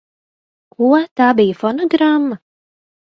Ko? Tā bija fonogramma?